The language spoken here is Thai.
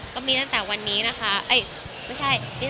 ก็มีตั้งแต่วันนี้นะคะไม่ใช่